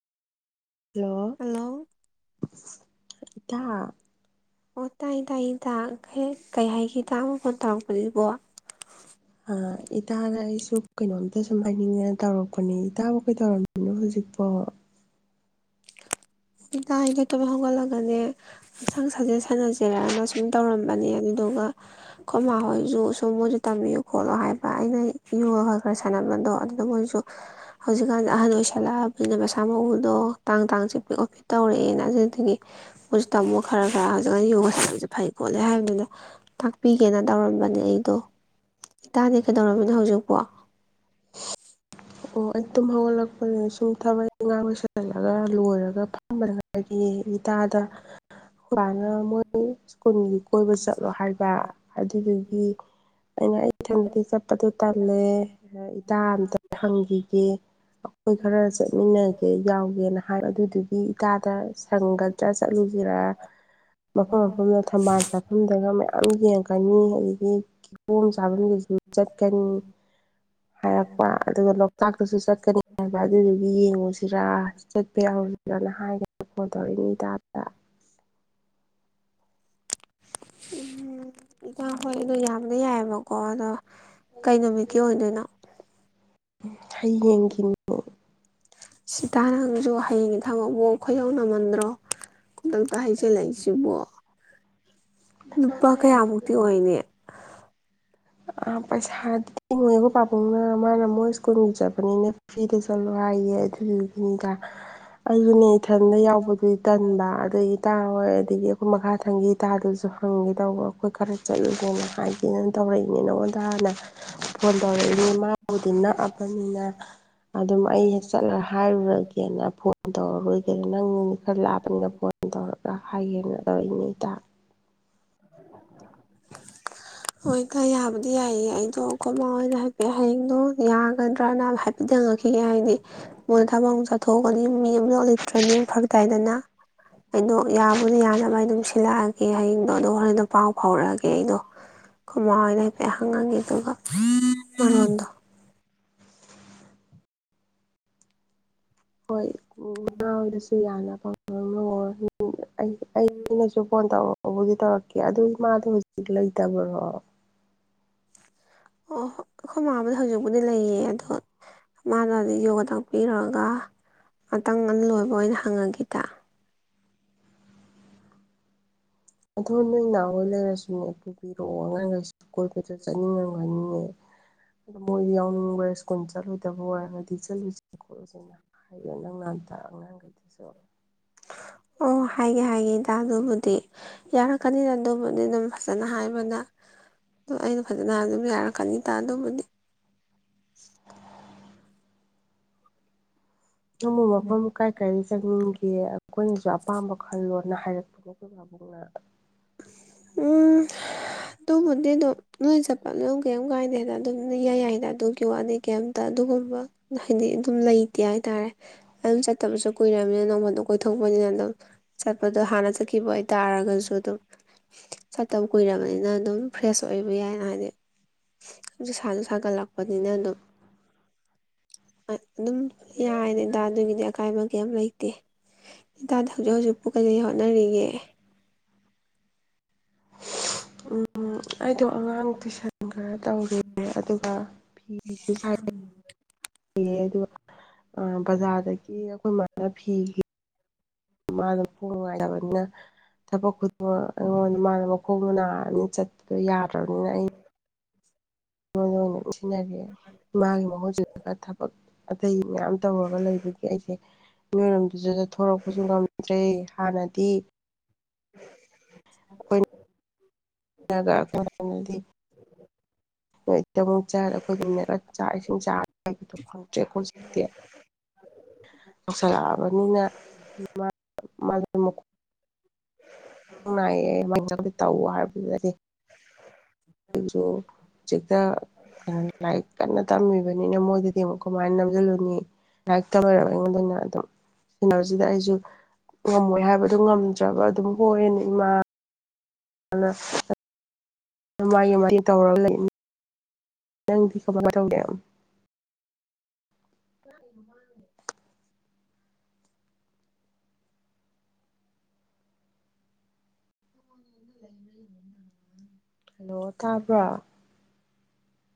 Hello hello ꯏꯗ ꯑꯣ ꯇꯥꯏ ꯇꯥꯏ ꯇ ꯍꯦꯛ ꯀꯩ ꯍꯥꯏꯈꯤꯦꯗ ꯑꯃ ꯐꯣꯟ ꯇꯧꯔꯛꯄꯅꯦꯕꯣ ꯑ ꯏꯇꯥꯗ ꯑꯩꯁꯨ ꯀꯩꯅꯣꯝꯇ ꯁꯨꯝ ꯍꯥꯏꯅꯤꯡꯉ ꯇꯧꯔꯛꯄꯅꯦ ꯏꯇꯥꯕꯨ ꯀꯩ ꯇꯧꯔꯝꯃꯤꯅꯣ ꯍꯧꯖꯤꯛꯄꯣ ꯏꯗ ꯑꯦꯗꯤ ꯇꯨꯝ ꯍꯧꯒꯠꯂꯒꯅꯦ ꯍꯟꯁꯥꯡ ꯁꯥꯖꯦꯜ ꯁꯥꯟꯅꯖꯦꯔꯅ ꯁꯨꯝ ꯇꯧꯔꯝꯕꯅꯦ ꯑꯗꯨꯗꯨꯒ ꯈꯣꯏꯃꯥ ꯍꯣꯏꯖꯨ ꯁꯨꯝ ꯃꯣꯏꯖꯨ ꯇꯝꯕꯤꯌꯨ ꯈꯣꯠꯂꯣ ꯍꯥꯏꯕ ꯑꯩꯅ ꯌꯣꯒ ꯈꯔ-ꯈꯔ ꯁꯥꯟꯅꯕꯗꯣ ꯑꯗꯨꯅ ꯃꯣꯏꯖꯨ ꯍꯧꯖꯤꯛꯀꯥꯟꯗ ꯑꯍꯟ ꯑꯣꯏꯁꯜꯂꯛꯑꯕꯅꯤꯅ ꯃꯁꯥ ꯃꯎꯗꯣ ꯇꯥꯡ-ꯇꯥꯡ ꯆꯤꯛꯄꯗꯣ ꯇꯧꯔꯛꯑꯦꯅ ꯑꯗꯨꯗꯒꯤ ꯃꯨꯁ ꯇꯥꯝꯃꯣ ꯈꯔ-ꯈꯔ ꯍꯧꯖꯤꯛ ꯌꯣꯒꯁꯟꯅꯕꯖꯦ ꯐꯩ ꯈꯣꯠꯂꯦ ꯍꯥꯏꯕꯗꯨꯗ ꯇꯥꯛꯄꯤꯒꯦꯅ ꯇꯧꯔꯝꯕꯅꯦ ꯑꯩꯗꯣ ꯏꯇꯥꯗꯤ ꯀꯩꯗꯧꯔꯝꯃꯤꯅ ꯍꯧꯖꯤꯛꯄꯨ ꯑꯣ ꯑꯩ ꯇꯨꯝ ꯍꯧꯒꯠꯂꯛꯄꯒ ꯁꯨꯝ ꯊꯕꯛ ꯏꯪꯒꯥꯡ ꯂꯣꯏꯁꯤꯜꯂꯒ ꯂꯣꯏꯔꯒ ꯐꯝꯕꯗ ꯉꯥꯏꯔꯤꯌꯦ ꯏꯇꯥꯗ ꯕꯥꯅ ꯃꯣꯏ ꯁ꯭ꯀꯨꯜꯒꯤ ꯀꯣꯏꯕ ꯆꯠꯂꯣ ꯍꯥꯏꯕ ꯑꯗꯨꯗꯒꯤ ꯑꯩꯅ ꯑꯩ ꯏꯊꯟꯗꯗꯤ ꯆꯠꯄꯗꯣ ꯇꯜꯂꯦ ꯏꯇꯥ ꯑꯝꯇ ꯍꯪꯒꯤ ꯒꯤ ꯑꯈꯣꯏ ꯈꯔ ꯆꯠꯃꯤꯟꯅꯒꯦ ꯌꯥꯎꯒꯦꯅ ꯍꯥꯏ ꯑꯗꯨꯗꯨꯒꯤ ꯏꯇꯥꯗ ꯁꯪꯒꯗ꯭ꯔꯥ ꯆꯠꯂꯨꯁꯤꯔ ꯃꯐꯝ-ꯃꯐꯝꯗ ꯊꯝꯕꯥꯜ ꯆꯥꯐꯝꯗꯒ ꯃꯌꯥꯝ ꯌꯦꯡꯀꯅꯤ ꯑꯗꯨꯗꯒꯤ ꯀꯤꯀꯣꯝ ꯆꯥꯐꯝꯗꯨꯁꯨ ꯆꯠꯀꯅꯤ ꯍꯥꯏꯔꯛꯄ ꯑꯗꯨꯒ ꯂꯣꯛ ꯇꯥꯛꯇꯁꯨ ꯆꯠꯀꯅꯤ ꯍꯥꯏꯕ ꯑꯗꯨꯗꯨꯒꯤ ꯌꯦꯡꯉꯨꯖꯤꯔꯥ ꯆꯠꯄ ꯌꯥꯎꯔꯨꯁꯤꯔꯅ ꯍꯥꯏꯒꯅ ꯐꯣꯟ ꯇꯧꯔꯛꯏꯅꯦ ꯏꯇꯥꯗ ꯎꯝ ꯏꯇꯥ ꯍꯣꯏ ꯑꯗꯨ ꯌꯥꯝꯗꯤ ꯌꯥꯏꯌꯦꯕꯀꯣ ꯑꯗꯣ ꯀꯩ ꯅꯨꯃꯤꯠꯀꯤ ꯑꯣꯏꯗꯣꯏꯅꯣ ꯍꯌꯦꯡꯒꯤꯅꯨ ꯁꯤꯇꯥ ꯅꯪꯖꯨ ꯍꯌꯦꯡꯒꯤ ꯊꯥꯕꯛꯕꯨ ꯑꯩꯈꯣꯏꯗꯧ ꯅꯃꯟꯗ꯭ꯔꯣ ꯈꯨꯗꯛꯇ ꯍꯩꯖꯤꯜꯂꯛꯏꯁꯤꯕꯣ ꯅꯨꯄꯥ ꯀꯌꯥꯃꯨꯛꯇꯤ ꯑꯣꯏꯅꯤ ꯑꯥ ꯄꯩꯁꯥꯗꯤꯉꯣꯏꯕ ꯄꯥꯕꯨꯡꯅ ꯃꯥꯅ ꯃꯣꯏ ꯁ꯭ꯀꯨꯜꯒꯤ ꯆꯠꯄꯅꯤꯅ ꯐ꯭ꯔꯤꯗ ꯆꯠꯂꯣ ꯍꯥꯏꯌꯦ ꯑꯗꯨꯗꯨꯒꯤꯅꯤꯗ ꯑꯗꯨꯅꯦ ꯏꯊꯟꯗ ꯌꯥꯎꯕꯗꯨꯗꯤ ꯇꯟꯕ ꯑꯗꯩ ꯏꯇꯥ ꯍꯣꯏ ꯑꯗꯒꯤ ꯑꯈꯣꯏ ꯃꯈꯥꯊꯪꯒꯤ ꯏꯇꯥꯗꯨꯁꯨ ꯍꯪꯒꯦ ꯇꯧꯕ ꯑꯈꯣꯏ ꯈꯔ ꯆꯠꯂꯨꯁꯦꯅ ꯍꯥꯏꯒꯦꯅ ꯇꯧꯔꯛꯏꯅꯦ ꯅꯉꯣꯟꯗ ꯍꯥꯟꯅ ꯐꯣꯟ ꯇꯧꯔꯛꯏꯅꯤ ꯃꯥꯕꯨꯗꯤ ꯅꯛꯑꯥ ꯑꯃꯅꯤꯅꯤꯅ [unintelligible] ꯑꯗꯨꯝ ꯑꯩ ꯍꯦꯛ ꯆꯠꯂ ꯍꯥꯏꯔꯨꯔꯒ ꯅ ꯐꯣꯟ ꯇꯧꯔꯔꯣꯏꯒꯦ ꯅꯪ ꯈꯔ ꯂꯥꯄꯄꯅꯤꯅ ꯐꯣꯟ ꯇꯧꯔꯒ ꯍꯥꯏꯒꯦꯅ ꯇꯧꯔꯛꯏꯅꯦ ꯏꯇꯥ ꯍꯣꯏ ꯇꯥ ꯌꯥꯕꯨꯗꯤ ꯌꯥꯏꯌꯦ ꯑꯩꯗꯣ ꯑꯥꯈꯣꯏꯃꯥ ꯑꯣꯏꯅ ꯍꯥꯏꯐꯦꯞ ꯍꯌꯦꯡꯗꯣ ꯌꯥꯒꯗ꯭ꯔꯅ ꯍꯥꯏꯐꯦꯠꯇꯡ ꯍꯪꯉꯛꯈꯤꯒꯦ ꯍꯥꯏꯗꯤ ꯃꯣꯏ ꯊꯕꯛ ꯑꯃ ꯆꯠꯊꯣꯛꯄꯒꯤ ꯃꯤ ꯑꯃꯇ ꯂꯩꯇ꯭ꯔꯥꯗꯤ ꯐꯔꯛ ꯇꯥꯏꯗꯅ ꯑꯩꯗꯣ ꯌꯥꯕꯨꯗꯤ ꯌꯥꯅꯕ ꯑꯩ ꯑꯗꯨꯝ ꯁꯤꯜꯂꯛꯑꯒꯦ ꯍꯌꯦꯡꯗꯣ ꯑꯗꯣ ꯍꯣꯔꯦꯟꯗ ꯄꯥꯎ ꯐꯥꯎꯔꯛꯑꯒꯦ ꯑꯩꯗꯣ ꯈꯣꯏꯃꯥ ꯍꯣꯏꯗ ꯍꯥꯏꯐꯦꯠ ꯍꯪꯉꯥꯡꯉꯦ ꯑꯗꯨꯒ ꯃꯔꯣꯟꯗꯣ ꯍꯣꯏ ꯎ ꯉ ꯅꯁꯨ ꯌꯥꯅꯕ ꯎꯝ ꯑꯥ-ꯑꯩ-ꯑꯩꯅꯁꯨ ꯐꯣꯟ ꯇꯧꯔꯥꯑꯣ ꯇꯧꯕꯨꯗꯤ ꯇꯧꯔꯛꯀꯦ ꯑꯗꯨ ꯏꯃꯥꯗꯣ ꯍꯧꯖꯤꯛ ꯂꯩꯇꯕꯥꯔꯣ ꯑꯣ ꯍꯣꯏ ꯑꯩꯈꯣꯏ ꯃꯥꯕꯨꯗꯤ ꯍꯧꯖꯤꯛꯄꯨꯗꯤ ꯂꯩꯌꯦ ꯑꯗꯣ ꯃꯥꯅ ꯌꯣꯒ ꯇꯥꯛꯄꯤꯔꯒ ꯉꯥꯛꯇꯪ ꯉꯟ ꯂꯣꯏꯕ ꯑꯣꯏꯅ ꯍꯪꯉꯒꯦ ꯏꯇꯥ ꯑꯣꯊꯣ ꯅꯣꯏ ꯅꯥꯎ ꯍꯣꯏꯅ ꯂꯩ [unintelligible] ꯏꯔꯛꯑꯣ ꯑꯉꯥꯅꯁꯦ ꯀꯣꯏ-ꯀꯣꯏ ꯆꯠꯅꯤꯡꯉꯝꯒꯅꯤꯅꯦ ꯑꯗꯣ ꯃꯣꯏꯗꯤ ꯌꯥꯎꯅꯤꯡꯕ ꯁ꯭ꯀꯨꯜ ꯆꯠꯂꯣꯏꯗꯕ ꯑꯣꯏꯔꯒꯗꯤ ꯆꯠꯂꯨꯖꯤ ꯈꯣꯠꯂꯨꯖꯦꯅ ꯍꯥꯏꯌꯣ ꯅꯪ ꯅꯍꯥꯟꯗ ꯑꯉꯥꯡꯈꯩꯗꯨꯁꯨ ꯑꯣ ꯍꯥꯏꯒꯦ-ꯍꯥꯏꯒꯦꯗ ꯏꯇꯥ ꯗꯨꯕꯨꯗꯤ ꯌꯥꯔꯛꯀꯅꯤꯗ ꯑꯗꯨꯕꯨꯗꯤ ꯑꯗꯨꯝ ꯐꯖꯅ ꯍꯥꯏꯕꯗ ꯑꯗꯨ ꯑꯩꯅ ꯐꯖꯅ ꯑꯗꯨꯝ ꯌꯥꯔꯛꯀꯅꯤꯗ ꯑꯗꯨꯕꯨꯗꯤ ꯅꯪꯃꯣ ꯃꯐꯝ ꯀꯥꯏ -ꯀꯥꯏꯗ ꯆꯪꯅꯤꯡꯒꯦ ꯑꯩꯈꯣꯏꯅꯁꯨ ꯑꯄꯥꯝꯕ ꯈꯜꯂꯣꯅ ꯍꯥꯏꯔꯛꯄꯅꯦ ꯑꯈꯣꯏ ꯄꯥꯕꯨꯡꯅ ꯎꯝ ꯑꯗꯨꯕꯨꯗꯤ ꯑꯗꯨꯝ ꯅꯣꯏ ꯆꯠꯄ ꯑꯗꯨꯝ ꯀꯩꯝ ꯀꯥꯏꯗꯦꯅ ꯑꯗꯨꯝ ꯏꯌꯥꯏ-ꯌꯥꯏꯗ ꯑꯗꯨꯒꯤ ꯋꯥꯅꯤ ꯀꯩꯝꯇ ꯑꯗꯨꯒꯨꯝꯕ ꯍꯥꯏꯗꯤ ꯑꯗꯨꯝ ꯂꯩꯇꯦ ꯍꯥꯏꯇꯥꯔꯦ ꯑꯗꯨꯝ ꯆꯠꯇꯕꯁꯨ ꯀꯨꯏꯔꯕꯅꯤꯅ ꯅꯣꯡꯐꯥꯗꯣꯛ ꯀꯣꯏꯊꯣꯛꯄꯅꯤꯅ ꯑꯗꯨꯝ ꯆꯠꯄꯗꯣ ꯍꯥꯟꯅ ꯆꯠꯈꯤꯕ ꯑꯣꯏ ꯇꯥꯔꯒꯁꯨ ꯑꯗꯨꯝ ꯆꯠꯇꯕ ꯀꯨꯏꯔꯕꯅꯤꯅ ꯑꯗꯨꯝ ꯐ꯭ꯔꯦꯁ ꯑꯣꯏꯕ ꯌꯥꯏꯅ ꯍꯥꯏꯗꯤ ꯑꯗꯨ ꯁꯥꯁꯨ ꯁꯥꯒꯠꯂꯛꯄꯅꯤꯅ ꯑꯗꯨꯝ ꯑꯗꯨꯝ ꯌꯥꯏꯅꯦꯗ ꯑꯗꯨꯒꯤꯗꯤ ꯑꯀꯥꯏꯕ ꯀꯩꯝ ꯂꯩꯇꯦ [unintelligible] ꯍꯧꯖꯤꯛ ꯍꯧꯖꯤꯛꯄꯨ ꯀꯔꯤ ꯍꯣꯠꯅꯔꯤꯒꯦ ꯎꯝ ꯑꯩꯗꯣ ꯑꯉꯥꯡ ꯇꯨꯏꯁꯟ [unintelligible] ꯇꯧꯔꯤ ꯑꯗꯨꯒ ꯐꯤꯁꯨ ꯁꯥꯏ [unintelligible] ꯑꯗꯨꯒ ꯑꯥ ꯕꯖꯥꯔꯗꯒꯤ ꯑꯩꯈꯣꯏ ꯃꯥꯅ ꯐꯤ ꯃꯥꯅ ꯃꯈꯣꯡ ꯅꯨꯡꯉꯥꯏꯇꯕꯅꯤꯅ ꯊꯕꯛ ꯈꯨꯗꯤꯡꯃꯛ ꯑꯩꯉꯣꯟꯗ ꯃꯥꯅ ꯃꯈꯣꯡꯗꯨ ꯅꯥꯔꯅꯤꯅ ꯆꯠꯄꯗꯣ ꯌꯥꯕ [unintelligible] ꯑꯩ [unintelligible] [unintelligible] ꯏꯃꯥꯒꯤ ꯃꯍꯨꯠ ꯁꯤꯜꯂꯒ ꯊꯕꯛ ꯑꯇꯩ ꯃꯌꯥꯝ ꯇꯧꯔꯒ ꯂꯩꯕꯒꯤ ꯑꯩꯁꯦ [unintelligible] ꯑꯗꯨꯗ ꯊꯣꯔꯛꯄꯁꯨ ꯉꯝꯗ꯭ꯔꯦ ꯍꯥꯟꯅꯗꯤ [inaudible] [unintelligible] [unintelligible] [unintelligible] [unintelligible] [unintelligible] ꯑꯩꯈꯣꯏꯒꯤꯅ ꯆꯥꯛ ꯏꯁꯤꯡ ꯆꯥ ꯍꯥꯏꯕꯗꯣ ꯐꯪꯗ꯭ꯔꯦ ꯍꯧꯖꯤꯛꯇꯤ ꯌꯧꯁꯜꯂꯛꯑꯕꯅꯤꯅ [unintelligible] [unintelligible] [unintelligible] ꯇꯧ ꯍꯥꯏꯕꯗꯤ [unintelligible] [unintelligible] ꯂꯥꯏꯔꯤꯛ ꯀꯟꯅ ꯇꯝꯃꯤ꯫ ꯑꯣꯏꯕꯅꯤꯅ ꯃꯣꯏꯗꯗꯤ ꯑꯃꯨꯛ ꯀꯃꯥꯏꯅ ꯅꯝꯁꯤꯜꯂꯨꯅꯤ ꯂꯥꯏꯔꯤꯛ ꯇꯝ ꯂꯩꯔꯕꯅꯤꯅꯥ ꯃꯣꯏꯅꯥ ꯑꯗꯨꯝ ꯑꯩꯁꯨ ꯉꯝꯃꯣꯏ ꯍꯥꯏꯕꯗꯨꯣ ꯉꯝꯗ꯭ꯔꯕ ꯑꯗꯨꯝ ꯍꯣꯏꯌꯦꯅ ꯏꯃꯥ ꯑꯗꯨ ꯃꯥꯥꯏ ꯃꯥꯥꯏꯒꯤ ꯇꯧꯔꯒ ꯂꯩꯅꯤ [unintelligible] [inaudible] ꯍꯜꯂꯣ ꯇꯥꯕ꯭ꯔꯣ